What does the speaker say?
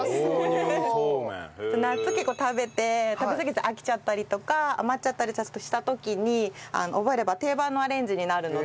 夏結構食べて食べすぎて飽きちゃったりとか余っちゃったりした時に覚えれば定番のアレンジになるので。